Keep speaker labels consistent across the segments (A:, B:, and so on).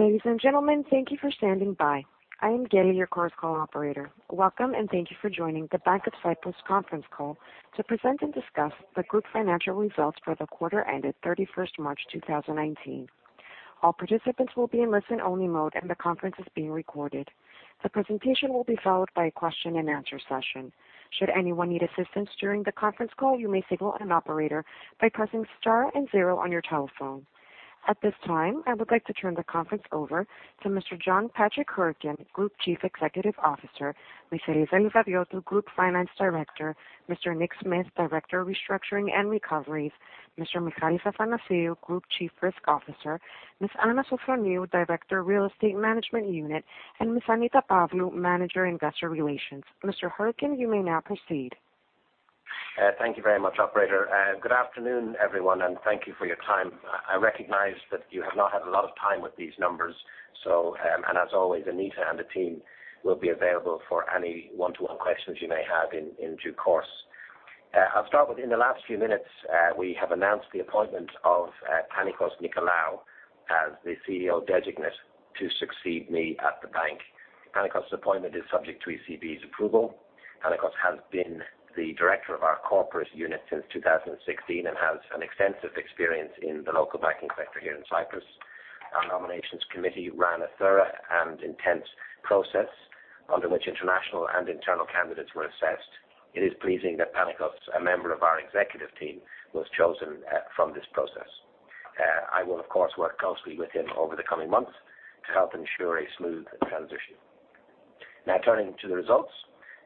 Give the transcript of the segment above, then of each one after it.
A: Ladies and gentlemen, thank you for standing by. I am Gabby, your conference call operator. Welcome, and thank you for joining the Bank of Cyprus conference call to present and discuss the group financial results for the quarter ended 31st March 2019. All participants will be in listen-only mode, the conference is being recorded. The presentation will be followed by a question and answer session. Should anyone need assistance during the conference call, you may signal an operator by pressing star and zero on your telephone. At this time, I would like to turn the conference over to Mr. John Patrick Hourican, Group Chief Executive Officer. Ms. Eliza Livadiotou, Group Finance Director. Mr. Nick Smith, Director of Restructuring and Recoveries. Mr. Michael Sifantakis, Group Chief Risk Officer. Ms. Anna Sofroniou, Director, Real Estate Management Unit, and Ms. Annita Pavlou, Manager, Investor Relations. Mr. Hourican, you may now proceed.
B: Thank you very much, operator, good afternoon, everyone, and thank you for your time. I recognize that you have not had a lot of time with these numbers, as always, Annita and the team will be available for any one-to-one questions you may have in due course. I'll start with in the last few minutes, we have announced the appointment of Panicos Nicolaou as the CEO designate to succeed me at the bank. Panicos' appointment is subject to ECB's approval. Panicos has been the director of our corporate unit since 2016 and has extensive experience in the local banking sector here in Cyprus. Our nominations committee ran a thorough and intense process under which international and internal candidates were assessed. It is pleasing that Panicos, a member of our executive team, was chosen from this process. I will, of course, work closely with him over the coming months to help ensure a smooth transition. Turning to the results.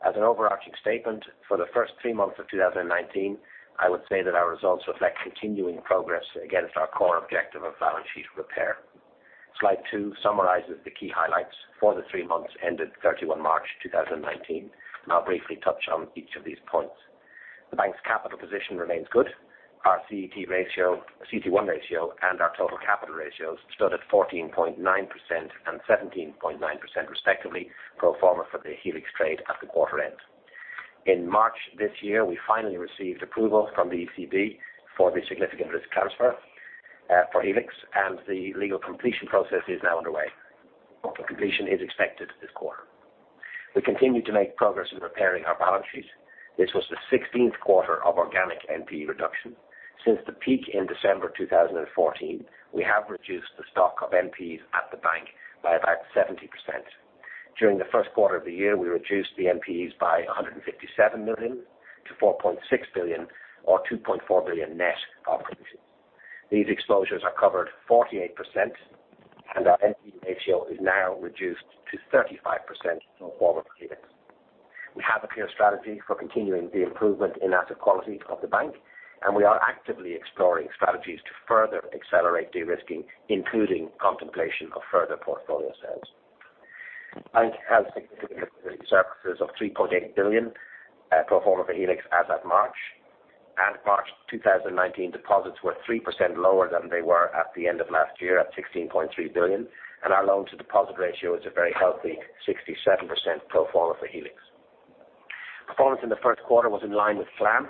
B: As an overarching statement for the first three months of 2019, I would say that our results reflect continuing progress against our core objective of balance sheet repair. Slide two summarizes the key highlights for the three months ended 31 March 2019, I'll briefly touch on each of these points. The bank's capital position remains good. Our CET1 ratio and our total capital ratios stood at 14.9% and 17.9%, respectively, pro forma for the Helix trade at the quarter end. In March this year, we finally received approval from the ECB for the significant risk transfer for Helix, the legal completion process is now underway. Pro forma completion is expected this quarter. We continue to make progress in repairing our balance sheets. This was the 16th quarter of organic NPE reduction. Since the peak in December 2014, we have reduced the stock of NPEs at the bank by about 70%. During the first quarter of the year, we reduced the NPEs by 157 million to 4.6 billion or 2.4 billion net of provisions. These exposures are covered 48%, our NPE ratio is now reduced to 35% pro forma for Helix. We have a clear strategy for continuing the improvement in asset quality of the bank, we are actively exploring strategies to further accelerate de-risking, including contemplation of further portfolio sales. Bank has significant services of 3.8 billion pro forma for Helix as at March. At March 2019, deposits were 3% lower than they were at the end of last year at 16.3 billion, our loan-to-deposit ratio is a very healthy 67% pro forma for Helix. Performance in the first quarter was in line with plan.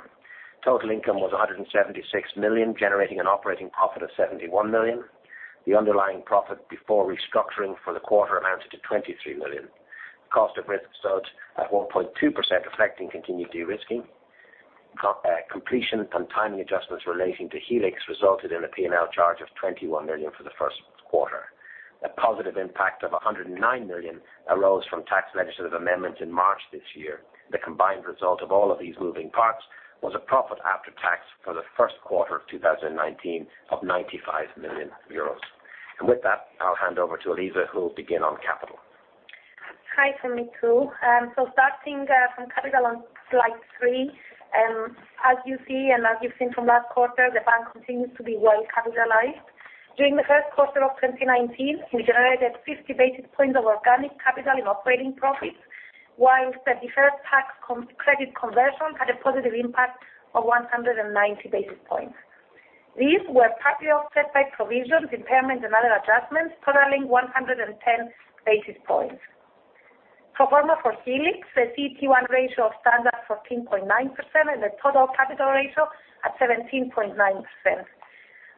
B: Total income was 176 million, generating an operating profit of 71 million. The underlying profit before restructuring for the quarter amounted to 23 million. Cost of risk stood at 1.2%, reflecting continued de-risking. Completion and timing adjustments relating to Helix resulted in a P&L charge of 21 million for the first quarter. A positive impact of 109 million arose from tax legislative amendments in March this year. The combined result of all of these moving parts was a profit after tax for the first quarter of 2019 of 95 million euros. With that, I'll hand over to Eliza, who will begin on capital.
C: Hi from me, too. Starting from capital on slide three. As you see, and as you've seen from last quarter, the bank continues to be well-capitalized. During the first quarter of 2019, we generated 50 basis points of organic capital in operating profits, whilst the deferred tax credit conversion had a positive impact of 190 basis points. These were partly offset by provisions, impairments, and other adjustments, totaling 110 basis points. Pro forma for Helix, the CET1 ratio stands at 14.9% and the total capital ratio at 17.9%.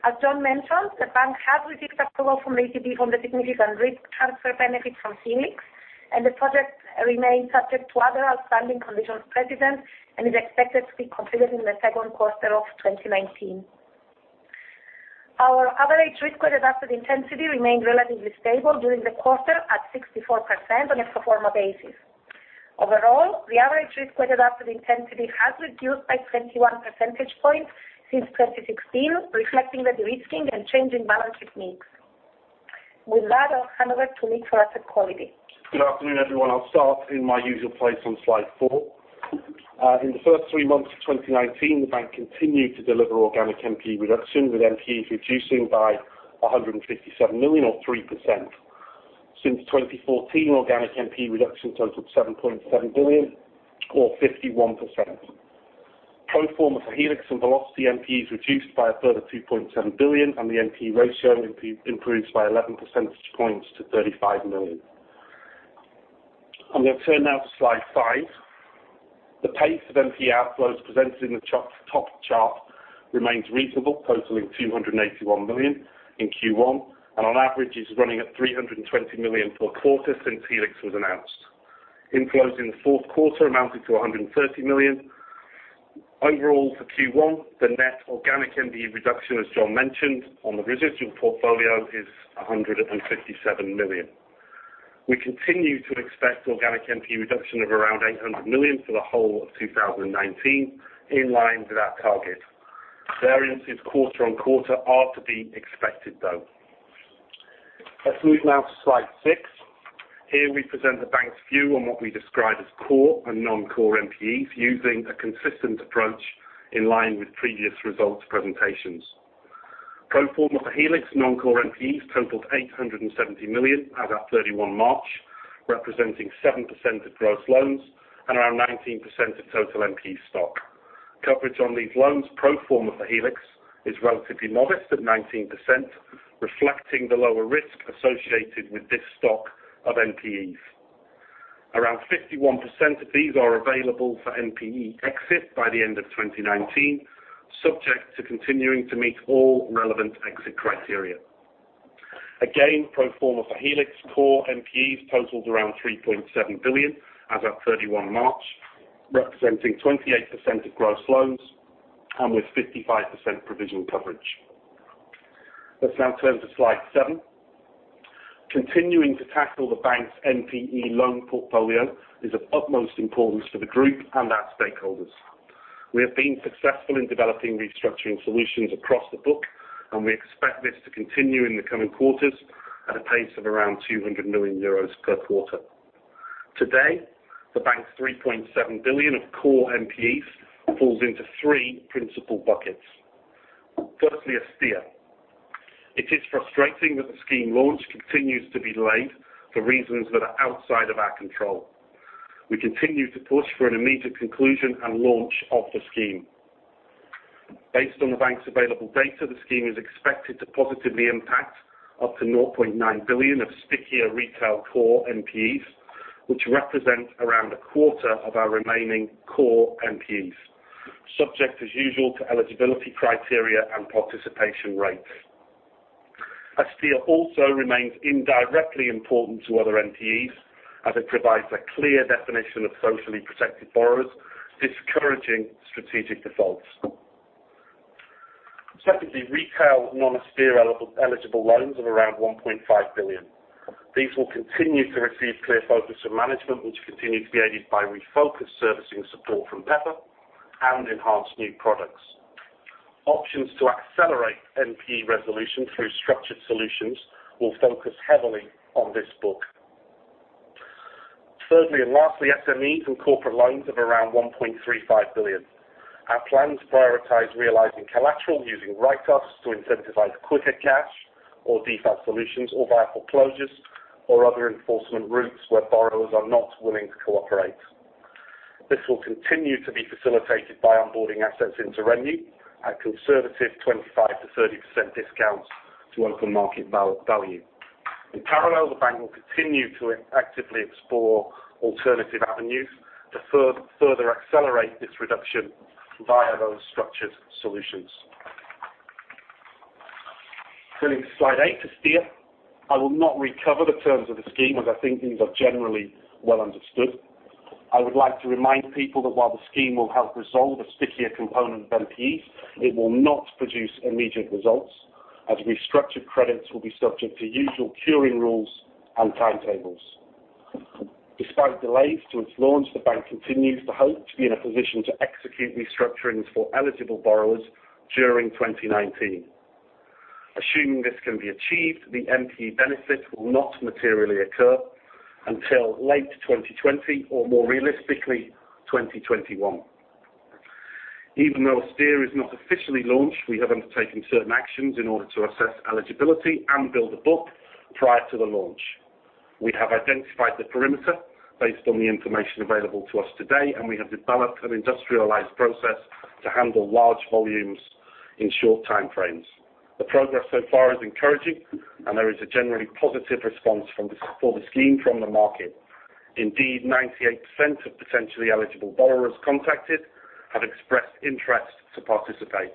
C: As John mentioned, the bank has received approval from the ECB on the significant risk transfer benefit from Helix, and the project remains subject to other outstanding conditions precedents and is expected to be completed in the second quarter of 2019. Our average risk-weighted asset intensity remained relatively stable during the quarter at 64% on a pro forma basis. Overall, the average risk-weighted asset intensity has reduced by 21 percentage points since 2016, reflecting the de-risking and change in balance sheet mix. With that, I'll hand over to Nick for asset quality.
D: Good afternoon, everyone. I'll start in my usual place on slide four. In the first three months of 2019, the bank continued to deliver organic NPE reduction, with NPEs reducing by 157 million or 3%. Since 2014, organic NPE reduction totaled 7.7 billion or 51%. Pro forma for Helix and Velocity, NPEs reduced by a further 2.7 billion and the NPE ratio improved by 11 percentage points to 35 million. I'm going to turn now to slide five. The pace of NPE outflows presented in the top chart remains reasonable, totaling 281 million in Q1, and on average is running at 320 million per quarter since Helix was announced. Inflows in the fourth quarter amounted to 130 million. Overall, for Q1, the net organic NPE reduction, as John mentioned, on the residual portfolio is 157 million. We continue to expect organic NPE reduction of around 800 million for the whole of 2019, in line with our target. Variances quarter-on-quarter are to be expected, though. Let's move now to slide six. Here we present the bank's view on what we describe as core and non-core NPEs using a consistent approach in line with previous results presentations. Pro forma for Helix non-core NPEs totaled 870 million as at 31 March, representing 7% of gross loans and around 19% of total NPE stock. Coverage on these loans pro forma for Helix is relatively modest at 19%, reflecting the lower risk associated with this stock of NPEs. Around 51% of these are available for NPE exit by the end of 2019, subject to continuing to meet all relevant exit criteria. Again, pro forma for Helix core NPEs totaled around 3.7 billion as at 31 March, representing 28% of gross loans and with 55% provisional coverage. Let's now turn to slide seven. Continuing to tackle the bank's NPE loan portfolio is of utmost importance for the group and our stakeholders. We have been successful in developing restructuring solutions across the book. We expect this to continue in the coming quarters at a pace of around 200 million euros per quarter. Today, the bank's 3.7 billion of core NPEs falls into three principal buckets. Firstly, ESTIA. It is frustrating that the scheme launch continues to be delayed for reasons that are outside of our control. We continue to push for an immediate conclusion and launch of the scheme. Based on the bank's available data, the scheme is expected to positively impact up to 0.9 billion of stickier retail core NPEs, which represent around a quarter of our remaining core NPEs, subject as usual to eligibility criteria and participation rates. ESTIA also remains indirectly important to other NPEs, as it provides a clear definition of socially protected borrowers, discouraging strategic defaults. Secondly, retail non-ESTIA eligible loans of around 1.5 billion. These will continue to receive clear focus from management, which continue to be aided by refocused servicing support from Pepper and enhanced new products. Options to accelerate NPE resolution through structured solutions will focus heavily on this book. Thirdly and lastly, SMEs and corporate loans of around 1.35 billion. Our plans prioritize realizing collateral using write-offs to incentivize quicker cash or default solutions or via foreclosures or other enforcement routes where borrowers are not willing to cooperate. This will continue to be facilitated by onboarding assets into REMU at conservative 25%-30% discounts to open market value. In parallel, the bank will continue to actively explore alternative avenues to further accelerate this reduction via those structured solutions. Turning to slide eight, ESTIA. I will not cover the terms of the scheme, as I think these are generally well understood. I would like to remind people that while the scheme will help resolve a stickier component of NPEs, it will not produce immediate results, as restructured credits will be subject to usual curing rules and timetables. Despite delays to its launch, the bank continues to hope to be in a position to execute restructurings for eligible borrowers during 2019. Assuming this can be achieved, the NPE benefit will not materially occur until late 2020 or more realistically, 2021. Even though ESTIA is not officially launched, we have undertaken certain actions in order to assess eligibility and build a book prior to the launch. We have identified the perimeter based on the information available to us today, we have developed an industrialized process to handle large volumes in short time frames. There is a generally positive response for the scheme from the market. Indeed, 98% of potentially eligible borrowers contacted have expressed interest to participate.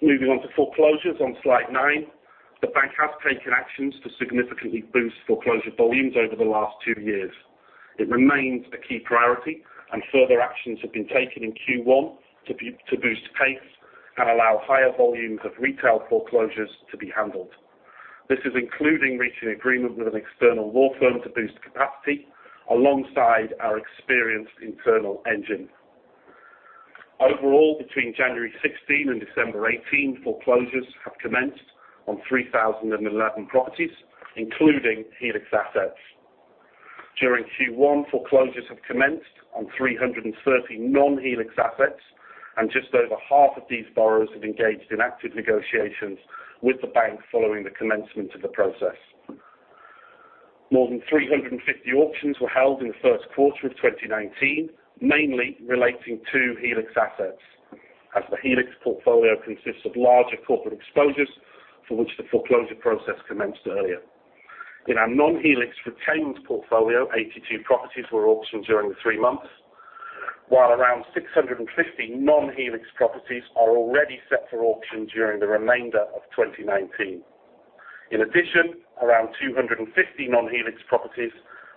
D: Moving on to foreclosures on slide nine. The bank has taken actions to significantly boost foreclosure volumes over the last two years. It remains a key priority and further actions have been taken in Q1 to boost pace and allow higher volumes of retail foreclosures to be handled. This is including reaching agreement with an external law firm to boost capacity alongside our experienced internal engine. Overall, between January 2016 and December 2018, foreclosures have commenced on 3,011 properties, including Helix assets. During Q1, foreclosures have commenced on 330 non-Helix assets, Just over half of these borrowers have engaged in active negotiations with the bank following the commencement of the process. More than 350 auctions were held in the first quarter of 2019, mainly relating to Helix assets. As the Helix portfolio consists of larger corporate exposures, for which the foreclosure process commenced earlier. In our non-Helix retained portfolio, 82 properties were auctioned during the three months, while around 650 non-Helix properties are already set for auction during the remainder of 2019. In addition, around 250 non-Helix properties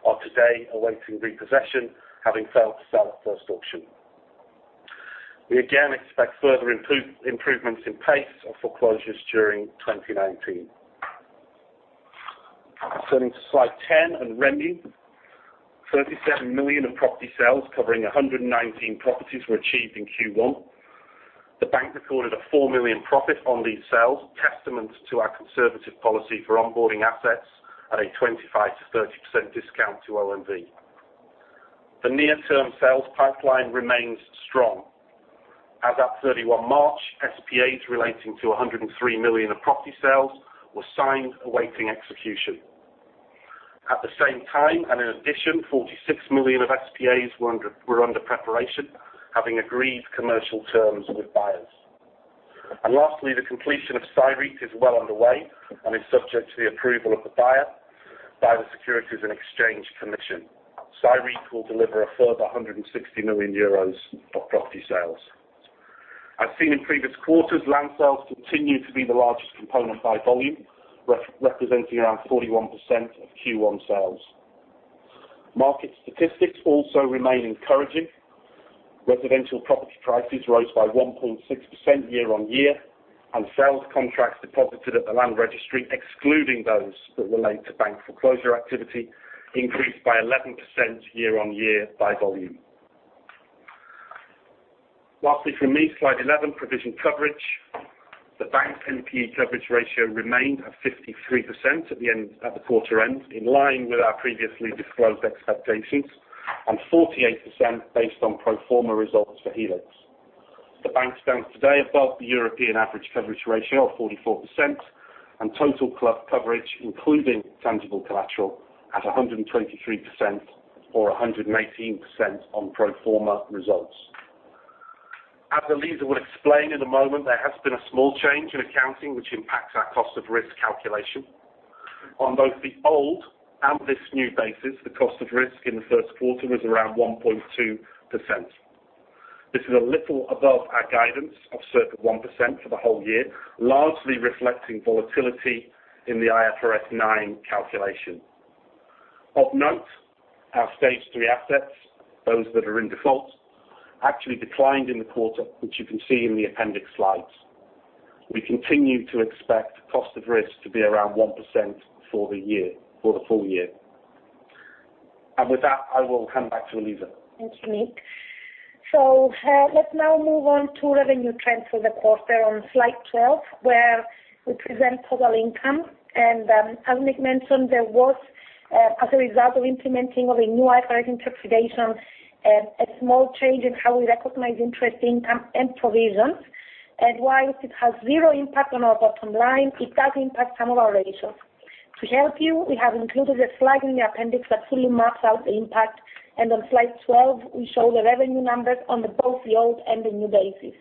D: are today awaiting repossession, having failed to sell at first auction. We again expect further improvements in pace of foreclosures during 2019. Turning to slide 10 on revenue, 37 million of property sales covering 119 properties were achieved in Q1. The bank recorded a 4 million profit on these sales, testament to our conservative policy for onboarding assets at a 25%-30% discount to OMV. The near-term sales pipeline remains strong. As at 31 March, SPAs relating to 103 million of property sales were signed awaiting execution. At the same time, in addition, 46 million of SPAs were under preparation, having agreed commercial terms with buyers. Lastly, the completion of CYREIT is well underway and is subject to the approval of the buyer by the Securities and Exchange Commission. CYREIT will deliver a further 160 million euros of property sales. As seen in previous quarters, land sales continue to be the largest component by volume, representing around 41% of Q1 sales. Market statistics also remain encouraging. Residential property prices rose by 1.6% year-on-year, Sales contracts deposited at the land registry, excluding those that relate to bank foreclosure activity, increased by 11% year-on-year by volume. Lastly, from me, slide 11, provision coverage. The bank NPE coverage ratio remained at 53% at the quarter end, in line with our previously disclosed expectations, and 48% based on pro forma results for Helix. The bank stands today above the European average coverage ratio of 44%, and total coverage, including tangible collateral, at 123%, or 118% on pro forma results. As Eliza will explain in a moment, there has been a small change in accounting, which impacts our cost of risk calculation. On both the old and this new basis, the cost of risk in the first quarter was around 1.2%. This is a little above our guidance of circa 1% for the whole year, largely reflecting volatility in the IFRS 9 calculation. Of note, our Stage 3 assets, those that are in default, actually declined in the quarter, which you can see in the appendix slides. We continue to expect cost of risk to be around 1% for the full year. With that, I will hand back to Eliza.
C: Thank you, Nick. Let's now move on to revenue trends for the quarter on slide 12, where we present total income. As Nick mentioned, there was, as a result of implementing of a new IFRS interpretation, a small change in how we recognize interest income and provisions. While it has zero impact on our bottom line, it does impact some of our ratios. To help you, we have included a slide in the appendix that fully maps out the impact, and on slide 12, we show the revenue numbers on the both the old and the new basis.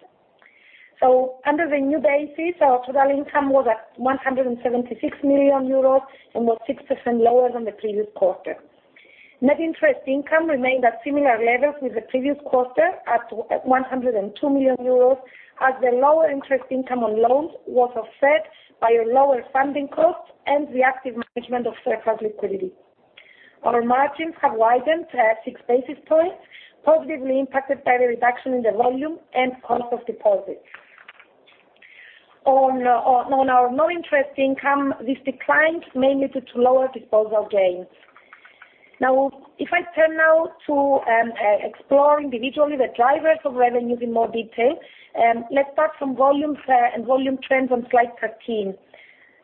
C: Under the new basis, our total income was at 176 million euros and was 6% lower than the previous quarter. Net interest income remained at similar levels with the previous quarter at 102 million euros, as the lower interest income on loans was offset by a lower funding cost and reactive management of surplus liquidity. Our margins have widened to six basis points, positively impacted by the reduction in the volume and cost of deposits. On our non-interest income, this declined mainly due to lower disposal gains. If I turn now to explore individually the drivers of revenues in more detail, let's start from volumes and volume trends on slide 13.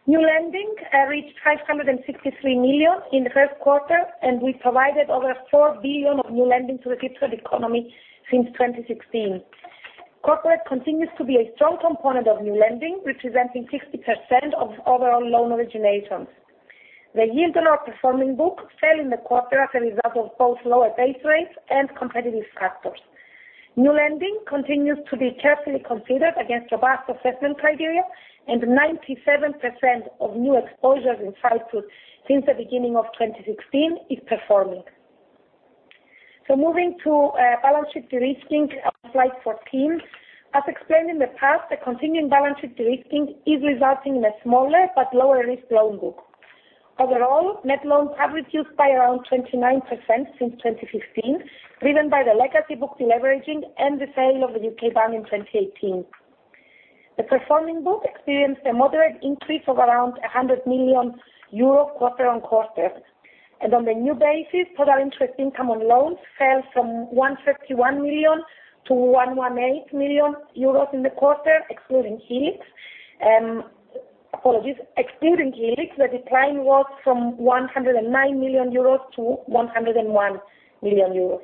C: New lending reached 563 million in the first quarter, and we provided over 4 billion of new lending to the Cypriot economy since 2016. Corporate continues to be a strong component of new lending, representing 60% of overall loan originations. The yield on our performing book fell in the quarter as a result of both lower base rates and competitive factors. New lending continues to be carefully considered against robust assessment criteria, 97% of new exposures in Cyprus since the beginning of 2016 is performing. Moving to balance sheet de-risking on slide 14. As explained in the past, the continuing balance sheet de-risking is resulting in a smaller but lower-risk loan book. Overall, net loans have reduced by around 29% since 2015, driven by the legacy book deleveraging and the sale of the U.K. bank in 2018. The performing book experienced a moderate increase of around 100 million euro quarter-on-quarter. On the new basis, total interest income on loans fell from 131 million to 118 million euros in the quarter, excluding Helix. Apologies. Excluding Helix, the decline was from 109 million euros to 101 million euros.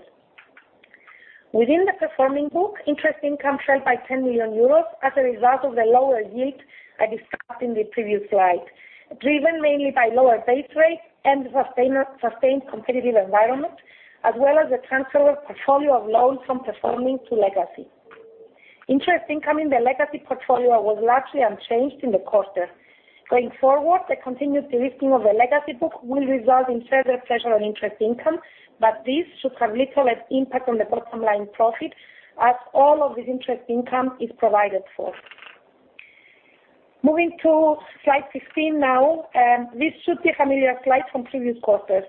C: Within the performing book, interest income fell by 10 million euros as a result of the lower yield I discussed in the previous slide, driven mainly by lower base rate and the sustained competitive environment, as well as the transfer of portfolio of loans from performing to legacy. Interest income in the legacy portfolio was largely unchanged in the quarter. Going forward, the continued de-risking of the legacy book will result in further pressure on interest income, but this should have little impact on the bottom-line profit as all of this interest income is provided for. Moving to slide 15 now, this should be a familiar slide from previous quarters.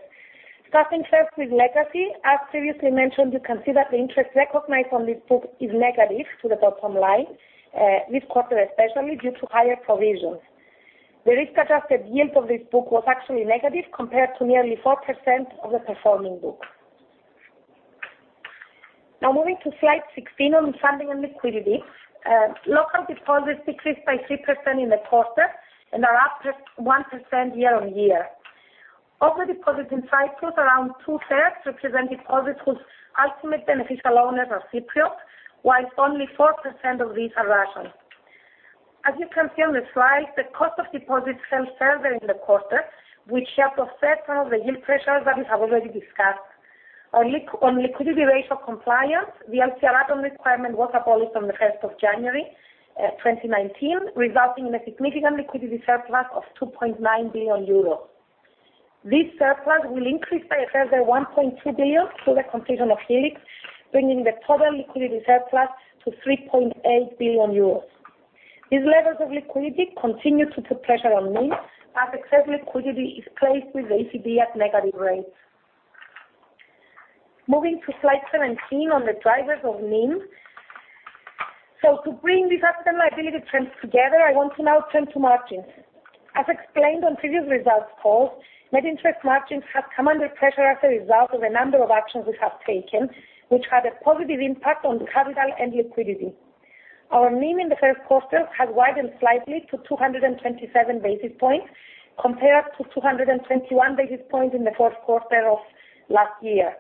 C: Starting first with legacy, as previously mentioned, you can see that the interest recognized on this book is negative to the bottom line, this quarter especially, due to higher provisions. The risk-adjusted yield of this book was actually negative compared to nearly 4% of the performing book. Moving to slide 16 on funding and liquidity. Local deposits decreased by 3% in the quarter and are up just 1% year-on-year. Of the deposits in Cyprus, around two-thirds represent deposits whose ultimate beneficial owners are Cypriot, whilst only 4% of these are Russian. As you can see on the slide, the cost of deposits fell further in the quarter, which helped offset some of the yield pressures that we have already discussed. On liquidity ratio compliance, the LCR add-on requirement was abolished on the 1st of January 2019, resulting in a significant liquidity surplus of 2.9 billion euro. This surplus will increase by a further 1.2 billion through the completion of Helix, bringing the total liquidity surplus to 3.8 billion euros. These levels of liquidity continue to put pressure on NIM as excess liquidity is placed with the ECB at negative rates. Moving to slide 17 on the drivers of NIM. To bring these asset and liability trends together, I want to now turn to margins. As explained on previous results calls, net interest margins have come under pressure as a result of a number of actions we have taken, which had a positive impact on capital and liquidity. Our NIM in the first quarter has widened slightly to 227 basis points compared to 221 basis points in the fourth quarter of last year.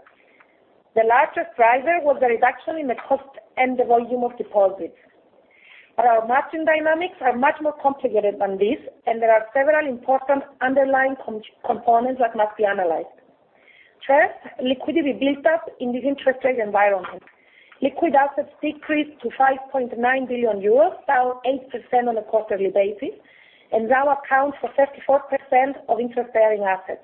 C: The largest driver was the reduction in the cost and the volume of deposits. Our margin dynamics are much more complicated than this, and there are several important underlying components that must be analyzed. First, liquidity built up in this interest rate environment. Liquid assets decreased to 5.9 billion euros, down 8% on a quarterly basis, and now account for 54% of interest-bearing assets.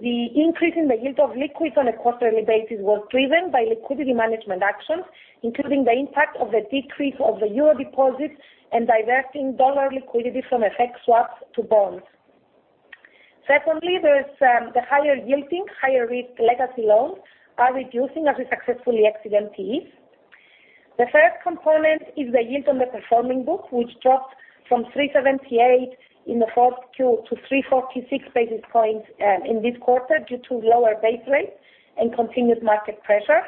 C: The increase in the yield of liquids on a quarterly basis was driven by liquidity management actions, including the impact of the decrease of the EUR deposits and diverting dollar liquidity from FX swaps to bonds. Secondly, the higher yielding, higher-risk legacy loans are reducing as we successfully exit NPEs. The third component is the yield on the performing book, which dropped from 378 to 346 basis points in this quarter due to lower base rates and continued market pressure.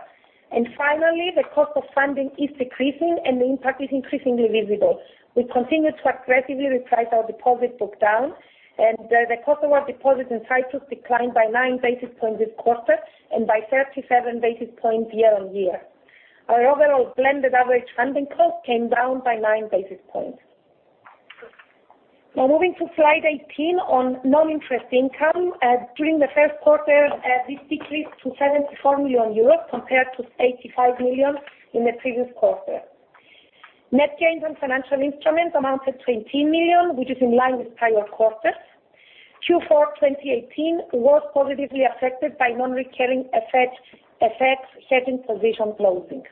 C: And finally, the cost of funding is decreasing and the impact is increasingly visible. We continue to aggressively reprice our deposit book down, and the cost of our deposits in Cyprus declined by nine basis points this quarter and by 37 basis points year-on-year. Our overall blended average funding cost came down by nine basis points. Now moving to slide 18 on non-interest income. During the first quarter, this decreased to 74 million euros compared to 85 million in the previous quarter. Net gains on financial instruments amounted to 18 million, which is in line with prior quarters. Q4 2018 was positively affected by non-recurring FX hedging position closing.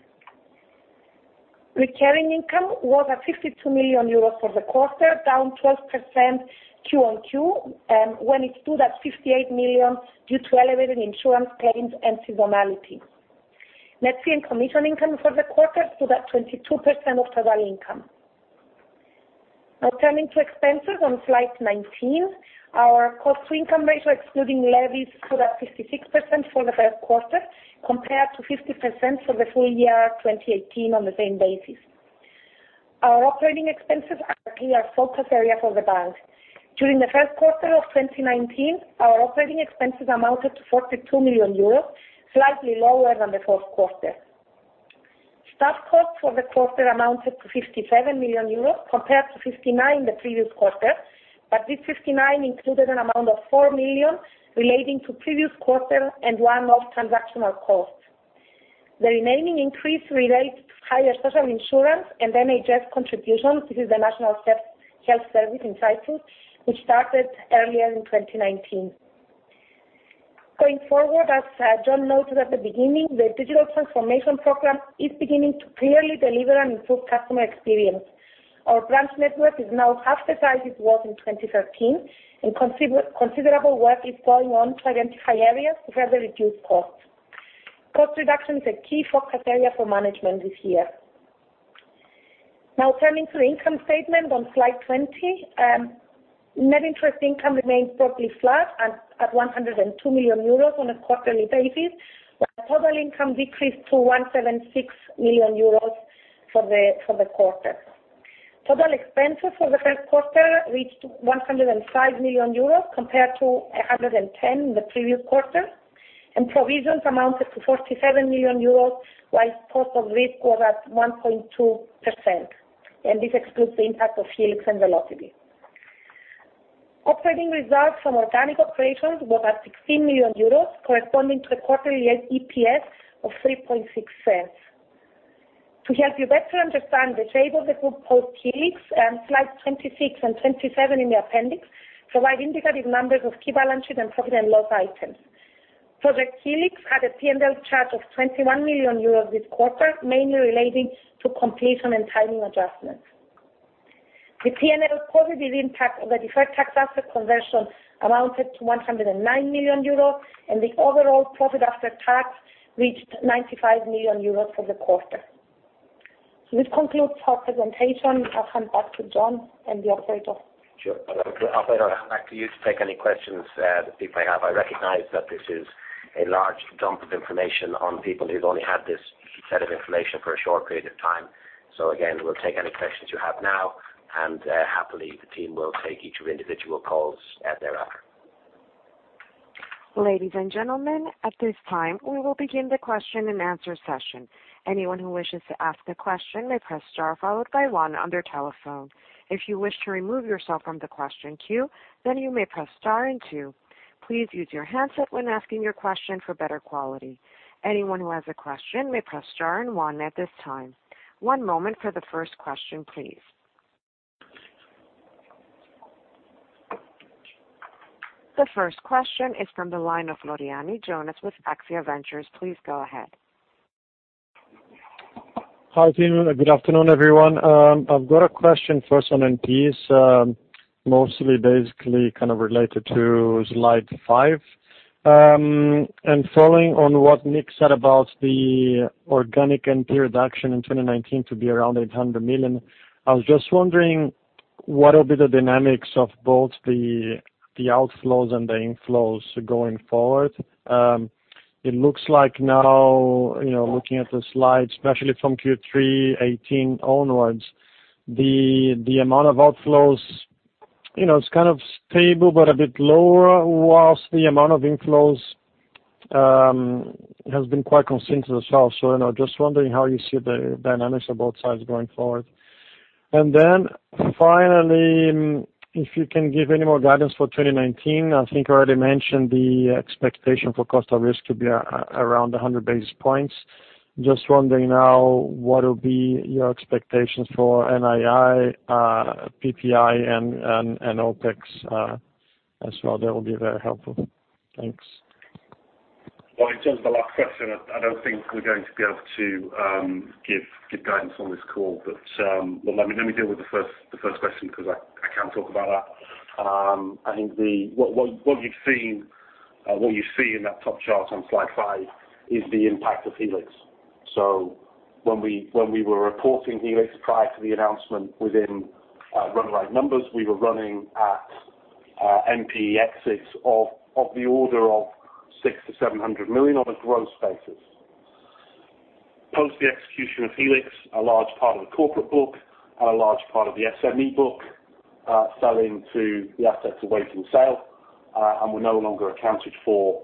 C: Recurring income was at 52 million euros for the quarter, down 12% quarter-on-quarter, when it stood at 58 million due to elevated insurance claims and seasonality. Net fee and commission income for the quarter stood at 22% of total income. Now turning to expenses on slide 19. Our cost-to-income ratio, excluding levies, stood at 56% for the first quarter, compared to 50% for the full year 2018 on the same basis. Our operating expenses are a key and focus area for the bank. During the first quarter of 2019, our operating expenses amounted to 42 million euros, slightly lower than the fourth quarter. Staff costs for the quarter amounted to 57 million euros compared to 59 million the previous quarter, but this 59 million included an amount of 4 million relating to the previous quarter and one-off transactional costs. The remaining increase relates to higher social insurance and NHS contributions, this is the National Health Service in Cyprus, which started earlier in 2019. Going forward, as John noted at the beginning, the digital transformation program is beginning to clearly deliver and improve customer experience. Our branch network is now half the size it was in 2013, and considerable work is going on to identify areas to further reduce costs. Cost reduction is a key focus area for management this year. Now turning to the income statement on slide 20. Net interest income remains broadly flat at 102 million euros on a quarterly basis, while total income decreased to 176 million euros for the quarter. Total expenses for the first quarter reached 105 million euros compared to 110 million in the previous quarter, and provisions amounted to 47 million euros, whilst cost of risk was at 1.2%, and this excludes the impact of Helix and Velocity. Operating results from organic operations were at 16 million euros, corresponding to a quarterly EPS of 0.036. To help you better understand the shape of the group post Helix, slides 26 and 27 in the appendix provide indicative numbers of key balance sheet and profit and loss items. Project Helix had a P&L charge of 21 million euros this quarter, mainly relating to completion and timing adjustments. The P&L positive impact of the deferred tax asset conversion amounted to 109 million euro, and the overall profit after tax reached 95 million euros for the quarter. This concludes our presentation. I will hand back to John and the operator.
B: Sure. Operator, back to you to take any questions that people have. I recognize that this is a large dump of information on people who have only had this set of information for a short period of time. Again, we will take any questions you have now, and happily, the team will take each of individual calls as there are.
A: Ladies and gentlemen, at this time, we will begin the question and answer session. Anyone who wishes to ask a question may press star followed by one on their telephone. If you wish to remove yourself from the question queue, then you may press star and two. Please use your handset when asking your question for better quality. Anyone who has a question may press star and one at this time. One moment for the first question, please. The first question is from the line of Floriani, Jonas with Axia Ventures. Please go ahead.
E: Hi, team. Good afternoon, everyone. I have got a question first on NPEs, mostly basically kind of related to slide five. Following on what Nick said about the organic NPE reduction in 2019 to be around 800 million, I was just wondering what will be the dynamics of both the outflows and the inflows going forward. It looks like now, looking at the slides, especially from Q3 2018 onwards, the amount of outflows, it is kind of stable but a bit lower, whilst the amount of inflows has been quite consistent as well. I am just wondering how you see the dynamics of both sides going forward. Finally, if you can give any more guidance for 2019. I think you already mentioned the expectation for cost of risk to be around 100 basis points. Just wondering now what will be your expectations for NII, PPI, and OPEX as well. That will be very helpful. Thanks.
D: In terms of the last question, I don't think we're going to be able to give guidance on this call. Let me deal with the first question because I can talk about that. I think what you see in that top chart on slide five is the impact of Helix. When we were reporting Helix prior to the announcement within run rate numbers, we were running at NPE exits of the order of 600 million-700 million on a gross basis. Post the execution of Helix, a large part of the corporate book, a large part of the SME book, sell into the assets awaiting sale, and were no longer accounted for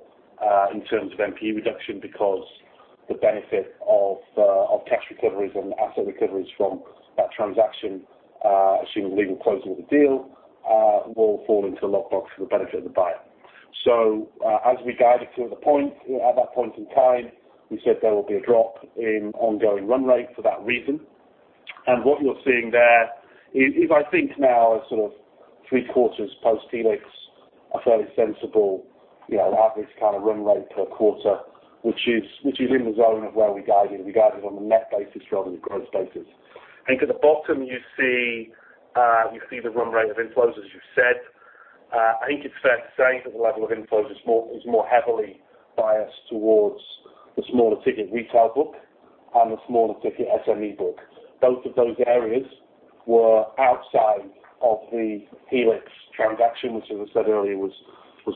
D: in terms of NPE reduction because the benefit of tax recoveries and asset recoveries from that transaction, assuming legal closing of the deal, will fall into a lockbox for the benefit of the buyer. As we guided at that point in time, we said there will be a drop in ongoing run rate for that reason, and what you're seeing there is I think now a sort of three quarters post Helix, a fairly sensible average kind of run rate per quarter, which is in the zone of where we guided. We guided on the net basis rather than the gross basis. I think at the bottom you see the run rate of inflows, as you said. I think it's fair to say that the level of inflows is more heavily biased towards the smaller ticket retail book and the smaller ticket SME book. Both of those areas were outside of the Helix transaction, which as I said earlier, was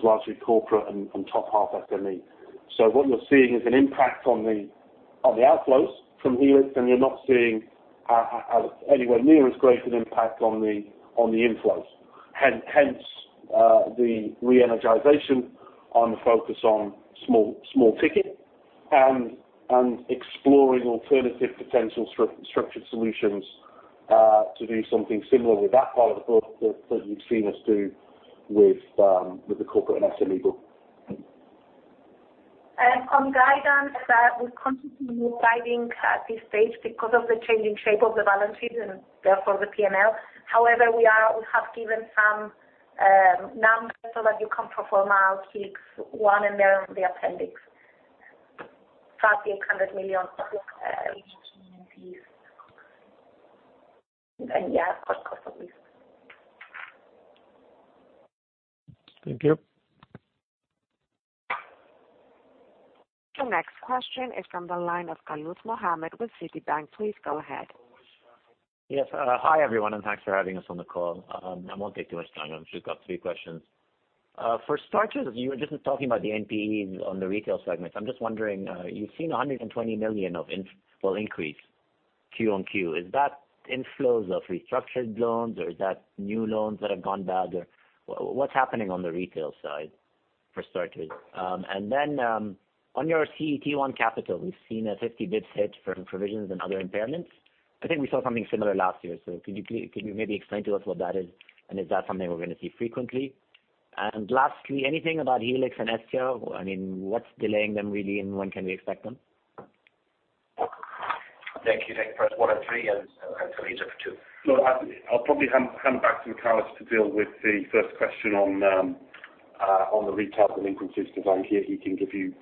D: largely corporate and top half SME. What you're seeing is an impact on the outflows from Helix, and you're not seeing anywhere near as great an impact on the inflows. Hence the re-energization on the focus on small ticket and exploring alternative potential structured solutions to do something similar with that part of the book that you've seen us do with the corporate and SME book.
C: On guidance, we can't give new guidance at this stage because of the changing shape of the balance sheet and therefore the P&L. However, we have given some numbers so that you can pro forma out Helix one and they're in the appendix. About EUR 800 million NPEs. Cost of risk.
E: Thank you.
A: The next question is from the line of Mohamed Khalout with Citigroup. Please go ahead.
F: Hi, everyone, thanks for having us on the call. I won't take too much time. I've just got three questions. For starters, you were just talking about the NPEs on the retail segment. I'm just wondering, you've seen 120 million of inflows increase Q on Q. Is that inflows of restructured loans, or is that new loans that have gone bad, or what's happening on the retail side? For starters. Then on your CET1 capital, we've seen a 50 basis points hit from provisions and other impairments. I think we saw something similar last year. Could you maybe explain to us what that is, and is that something we're going to see frequently? Lastly, anything about Helix and ESTIA? What's delaying them really, when can we expect them?
B: Thank you. I can press one and three, and hopefully it's up for two.
D: Look, I'll probably hand back to Carlos to deal with the first question on the retail delinquencies, because I think he can give you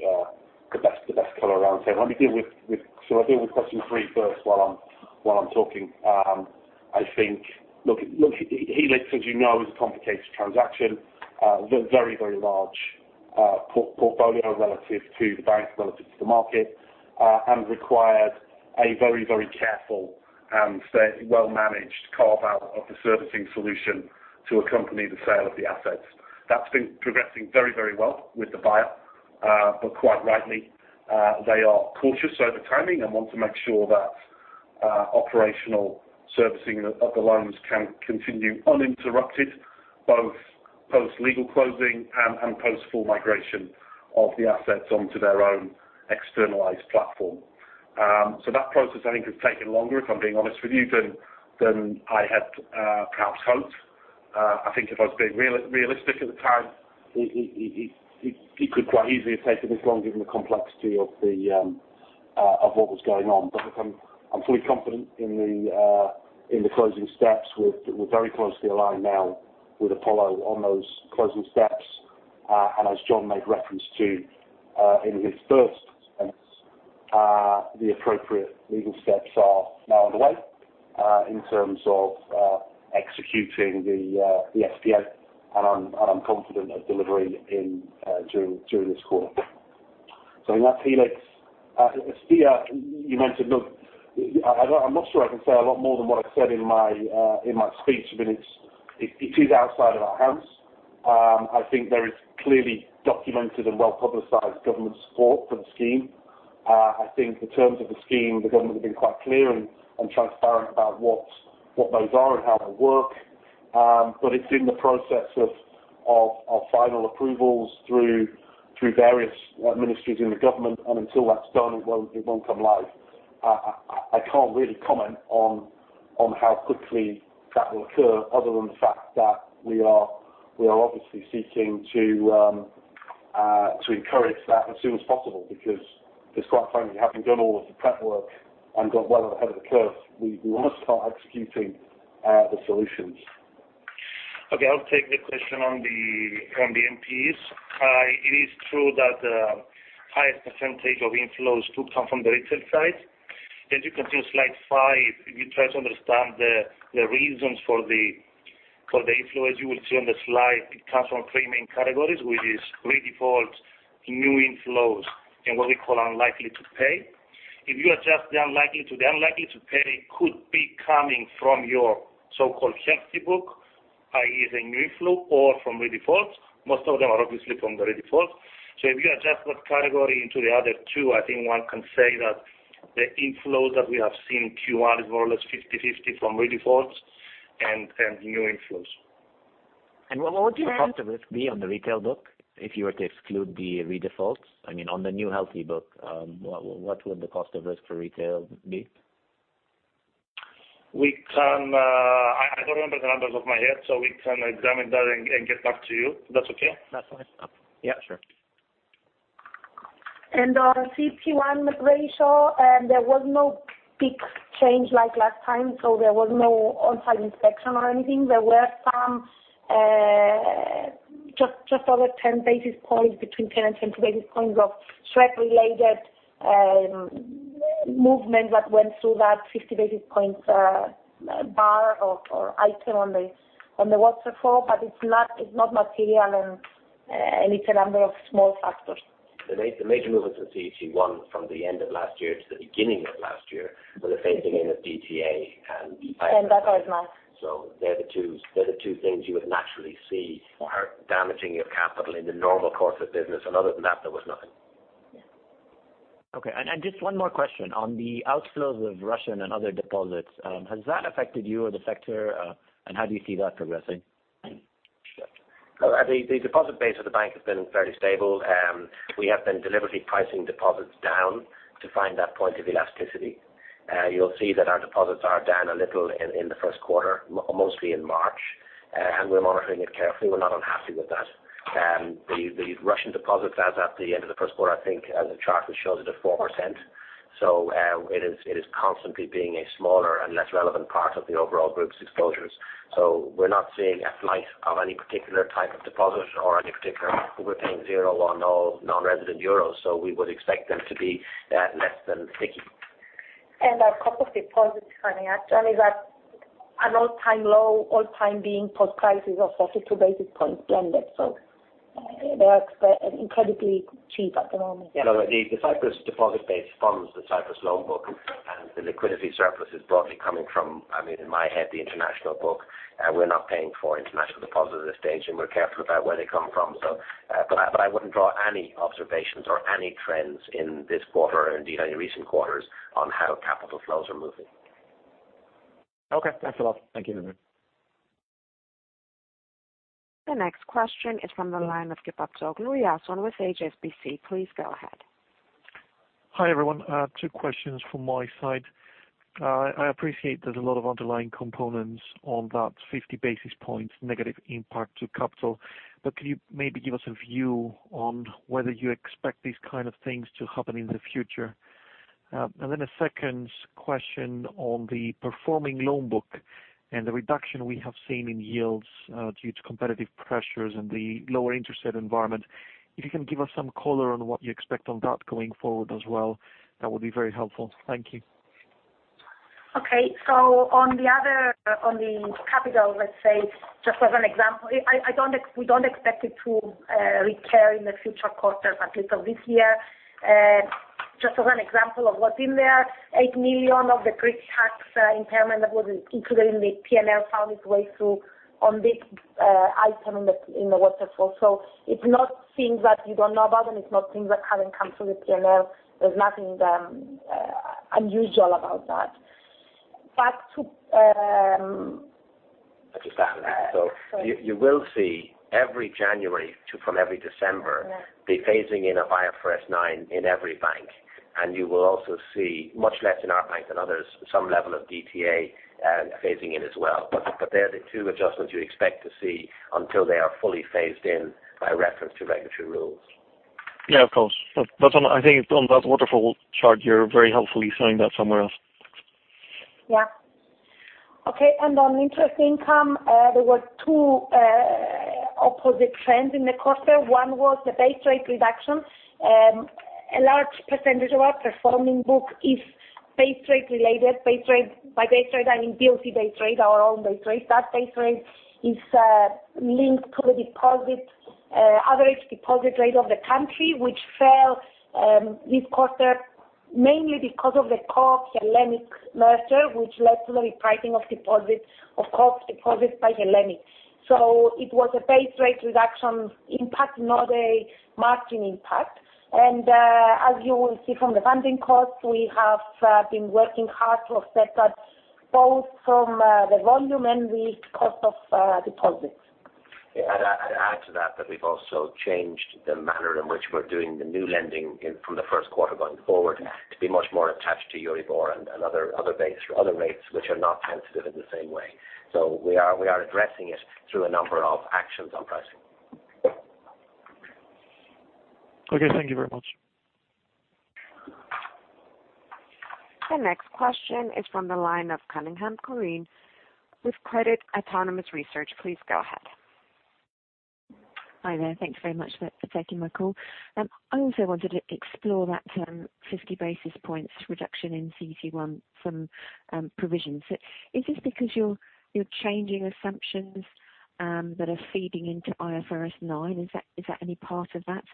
D: the best color around here. I'll deal with question 3 first while I'm talking. I think, look, Project Helix, as you know, is a complicated transaction. Very large portfolio relative to the bank, relative to the market, and required a very careful and fairly well-managed carve-out of the servicing solution to accompany the sale of the assets. That's been progressing very well with the buyer. Quite rightly, they are cautious over timing and want to make sure that operational servicing of the loans can continue uninterrupted, both post legal closing and post full migration of the assets onto their own externalized platform. That process, I think, has taken longer, if I'm being honest with you, than I had perhaps hoped. I think if I was being realistic at the time, it could quite easily have taken this long given the complexity of what was going on. Look, I'm fully confident in the closing steps. We're very closely aligned now with Apollo Global Management on those closing steps. As John made reference to in his first comments, the appropriate legal steps are now underway in terms of executing the SPAs. I'm confident of delivering during this quarter. In that Project Helix. ESTIA, you mentioned, look, I'm not sure I can say a lot more than what I said in my speech. I mean, it's outside of our house. I think there is clearly documented and well-publicized government support for the scheme. I think in terms of the scheme, the government have been quite clear and transparent about what those are and how they work. It's in the process of final approvals through various ministries in the government. Until that's done, it won't come live. I can't really comment on how quickly that will occur other than the fact that we are obviously seeking to encourage that as soon as possible because it's quite funny having done all of the prep work and got well ahead of the curve. We want to start executing the solutions.
G: Okay. I'll take the question on the NPEs. It is true that the highest percentage of inflows do come from the retail side. You can see slide five, if you try to understand the reasons for the inflow, as you will see on the slide, it comes from three main categories, which is redefault, new inflows, and what we call unlikely to pay. If you adjust the unlikely to pay could be coming from your so-called healthy book, i.e., the new inflow, or from redefaults. Most of them are obviously from the redefault. If you adjust what category into the other two, I think one can say that the inflows that we have seen in Q1 is more or less 50/50 from redefaults and new inflows.
F: What would your cost of risk be on the retail book if you were to exclude the redefaults? I mean, on the new healthy book, what would the cost of risk for retail be?
G: I don't remember the numbers off my head, we can examine that and get back to you. If that's okay.
F: That's fine. Yeah, sure.
C: On CET1 ratio, there was no big change like last time, there was no on-site inspection or anything. There were just over 10 basis points between 10 and 20 basis points of SREP related movement that went through that 50 basis points bar or item on the waterfall. It's not material, and it's a number of small factors.
B: The major movements of CET1 from the end of last year to the beginning of last year were the phasing in of DTA and PIPP.
C: That was nice.
B: They're the two things you would naturally see are damaging your capital in the normal course of business. Other than that, there was nothing.
C: Yeah.
F: Okay. Just one more question. On the outflows of Russian and other deposits, has that affected you or the sector? How do you see that progressing?
B: Look, the deposit base of the bank has been fairly stable. We have been deliberately pricing deposits down to find that point of elasticity. You'll see that our deposits are down a little in the first quarter, mostly in March. We're monitoring it carefully. We're not unhappy with that. The Russian deposits, as at the end of the first quarter, I think, as a chart, we showed it at 4%. It is constantly being a smaller and less relevant part of the overall group's exposures. We're not seeing a flight of any particular type of deposit or any particular. We're paying zero on all non-resident euros, we would expect them to be less than sticky.
C: Our cost of deposits, Johnny, actually is at an all-time low, all time being post-crisis of 42 basis points blended. They are incredibly cheap at the moment.
B: Yeah. Look, the Cyprus deposit base funds the Cyprus loan book, the liquidity surplus is broadly coming from, I mean, in my head, the international book. We're not paying for international deposits at this stage, we're careful about where they come from. I wouldn't draw any observations or any trends in this quarter, indeed, any recent quarters, on how capital flows are moving. Okay. Thanks a lot.
C: Thank you.
A: The next question is from the line of Kiriakos Vlahos with HSBC. Please go ahead.
H: Hi, everyone. Two questions from my side. I appreciate there's a lot of underlying components on that 50 basis points negative impact to capital. Could you maybe give us a view on whether you expect these kind of things to happen in the future? A second question on the performing loan book and the reduction we have seen in yields due to competitive pressures and the lower interest rate environment. If you can give us some color on what you expect on that going forward as well, that would be very helpful. Thank you.
C: Okay. On the capital, let's say, just as an example, we don't expect it to reoccur in the future quarters, at least of this year. Just as an example of what's in there, eight million of the Greek tax impairment that was included in the P&L found its way through on this item in the waterfall. It's not things that you don't know about, and it's not things that haven't come through the P&L. There's nothing unusual about that.
B: I'll just add on that. You will see every January from every December.
C: Yeah
B: the phasing in of IFRS 9 in every bank, and you will also see much less in our bank than others, some level of DTA phasing in as well. They're the two adjustments you expect to see until they are fully phased in by reference to regulatory rules.
H: Yeah, of course. I think on that waterfall chart, you're very helpfully showing that somewhere else.
C: Yeah. Okay, on interest income there were two opposite trends in the quarter. One was the base rate reduction. A large percentage of our performing book is base rate related. By base rate, I mean BOC Base Rate, our own base rate. That base rate is linked to the average deposit rate of the country, which fell this quarter, mainly because of the Co-op Hellenic merger, which led to the repricing of Co-op's deposits by Hellenic. It was a base rate reduction impact, not a margin impact. As you will see from the funding costs, we have been working hard to offset that both from the volume and the cost of deposits.
B: Yeah. I'd add to that we've also changed the manner in which we're doing the new lending in from the first quarter going forward.
C: Yeah
B: To be much more attached to Euribor and other rates which are not sensitive in the same way. We are addressing it through a number of actions on pricing.
H: Okay. Thank you very much.
A: The next question is from the line of Cunningham, Corinne with Credit, Autonomous Research. Please go ahead.
I: Hi there. Thanks very much for taking my call. I also wanted to explore that 50 basis points reduction in CET1 from provisions. Is this because you're changing assumptions that are feeding into IFRS 9? Is that any part of that,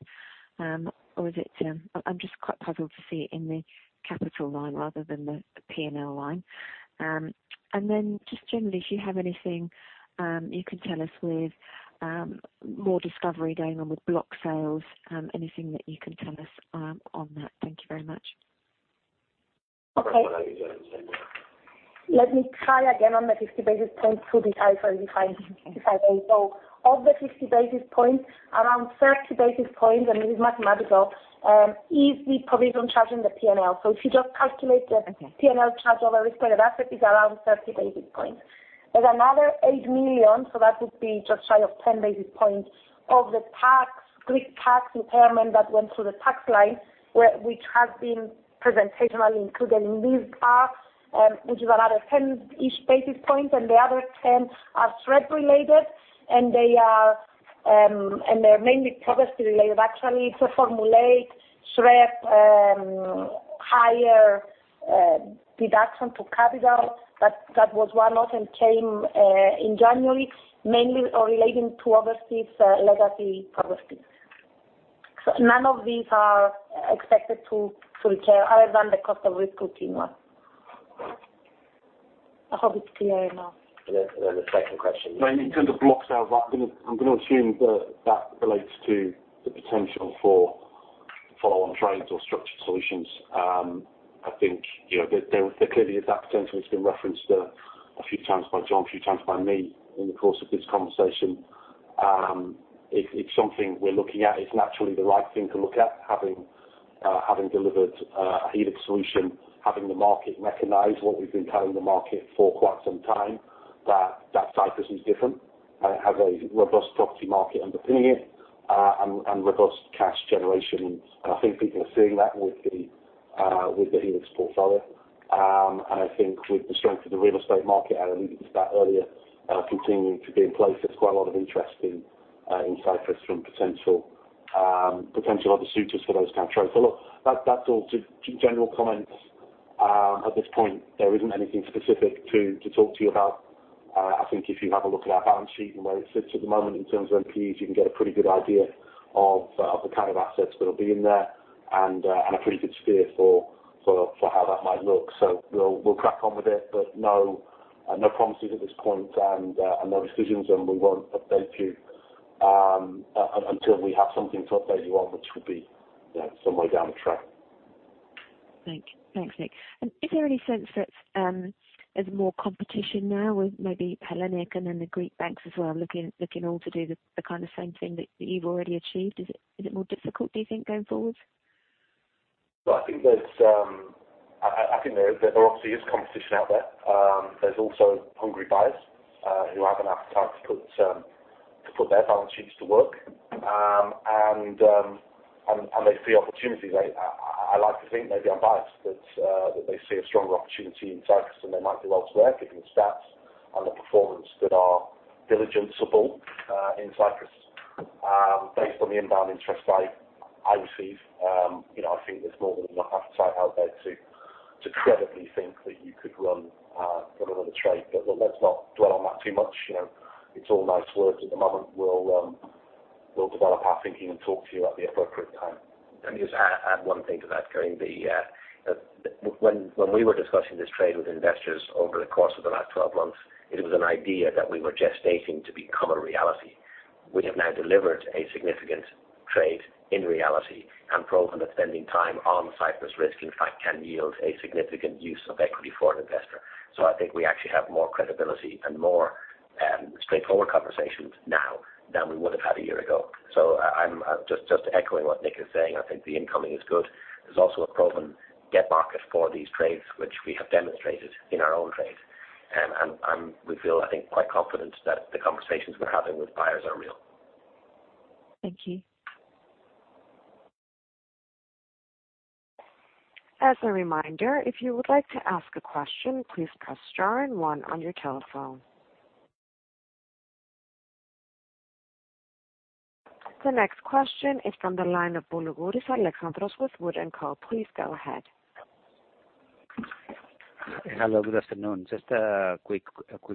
I: or is it I'm just quite puzzled to see it in the capital line rather than the P&L line. Just generally, if you have anything you can tell us with more discovery going on with block sales, anything that you can tell us on that. Thank you very much.
C: Okay. Let me try again on the 50 basis points to be clear if I may. Of the 50 basis points, around 30 basis points, and this is mathematical, is the provision charge in the P&L. If you just calculate the
I: Okay
C: P&L charge over risk-weighted asset is around 30 basis points. There's another 8 million, so that would be just shy of 10 basis points of the Greek tax impairment that went through the tax line, which has been presentationally included in this part, which is another 10-ish basis points, and the other 10 are SREP related, and they're mainly property related. Actually, to formulate SREP higher deduction to capital. That was one lot and came in January mainly relating to other legacy properties. None of these are expected to reoccur other than the cost of risk continuing. I hope it's clear now.
B: The second question.
D: In terms of block sales, I'm going to assume that relates to the potential for follow-on trades or structured solutions. I think there clearly is that potential. It's been referenced a few times by John, a few times by me in the course of this conversation. It's something we're looking at. It's naturally the right thing to look at having delivered a Helix solution, having the market recognize what we've been telling the market for quite some time, that Cyprus is different and has a robust property market underpinning it and robust cash generation. I think people are seeing that with the Helix portfolio. I think with the strength of the real estate market, and I alluded to that earlier, continuing to be in place, there's quite a lot of interest in Cyprus from potential other suitors for those kind of trades. Look, that's all just general comments. At this point, there isn't anything specific to talk to you about. I think if you have a look at our balance sheet and where it sits at the moment in terms of NPEs, you can get a pretty good idea of the kind of assets that'll be in there and a pretty good steer for how that might look. We'll crack on with it, no promises at this point and no decisions, and we won't update you until we have something to update you on, which would be somewhere down the track.
I: Thank you. Thanks, Nick. Is there any sense that there's more competition now with maybe Hellenic and then the Greek banks as well, looking all to do the kind of same thing that you've already achieved? Is it more difficult, do you think, going forward?
D: I think there obviously is competition out there. There's also hungry buyers who have an appetite to put their balance sheets to work. They see opportunities. I like to think, maybe I'm biased, but that they see a stronger opportunity in Cyprus than they might elsewhere, given the stats and the performance that our diligence support in Cyprus. Based on the inbound interest I receive, I think there's more than enough appetite out there to credibly think that you could run another trade. Let's not dwell on that too much. It's all nice words at the moment. We'll develop our thinking and talk to you at the appropriate time.
B: Let me just add one thing to that, Corinne. When we were discussing this trade with investors over the course of the last 12 months, it was an idea that we were gestating to become a reality. We have now delivered a significant trade in reality and proven that spending time on Cyprus risk, in fact, can yield a significant use of equity for an investor. I think we actually have more credibility and more straightforward conversations now than we would have had a year ago. I am just echoing what Nick is saying. I think the incoming is good. There is also a proven debt market for these trades, which we have demonstrated in our own trade. And we feel, I think, quite confident that the conversations we are having with buyers are real.
I: Thank you.
A: As a reminder, if you would like to ask a question, please press star and one on your telephone. The next question is from the line of Alexandros Boulougouris with Wood & Company. Please go ahead.
J: Hello, good afternoon. Just a quick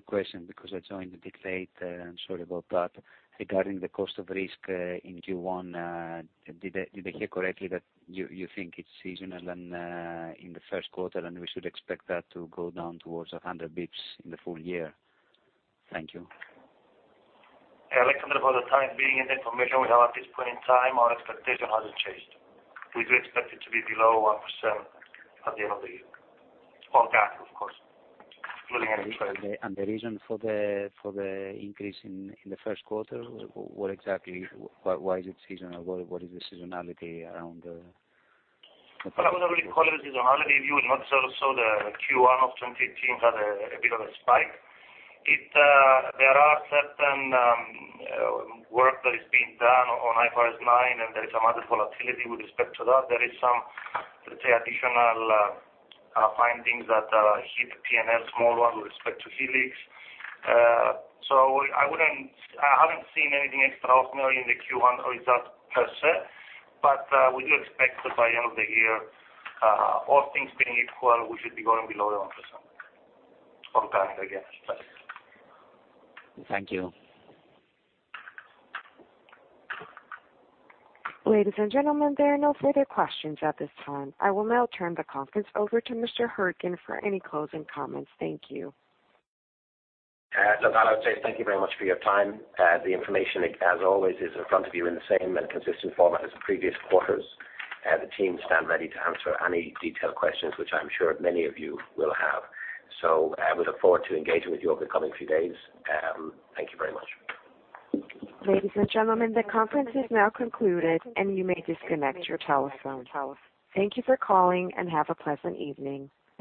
J: question because I joined a bit late. I am sorry about that. Regarding the cost of risk in Q1, did I hear correctly that you think it is seasonal and in the first quarter, and we should expect that to go down towards 100 basis points in the full year? Thank you.
G: Alex, for the time being and the information we have at this point in time, our expectation hasn't changed. We do expect it to be below 1% at the end of the year. It's on that, of course, including any credit.
J: The reason for the increase in the first quarter, what exactly why is it seasonal? What is the seasonality around?
G: Well, I wouldn't really call it a seasonality view. Also the Q1 of 2015 had a bit of a spike. There are certain work that is being done on IFRS 9, and there is a lot of volatility with respect to that. There is some, let's say, additional findings that hit P&L small one with respect to Helix. I haven't seen anything extraordinary in the Q1 result per se. We do expect that by end of the year all things being equal, we should be going below 1% on that, again.
J: Thank you.
A: Ladies and gentlemen, there are no further questions at this time. I will now turn the conference over to Mr. Hourican for any closing comments. Thank you.
B: Look, I would say thank you very much for your time. The information, as always, is in front of you in the same and consistent format as previous quarters. The team stand ready to answer any detailed questions, which I'm sure many of you will have. We look forward to engaging with you over the coming few days. Thank you very much.
A: Ladies and gentlemen, the conference is now concluded, and you may disconnect your telephone. Thank you for calling and have a pleasant evening.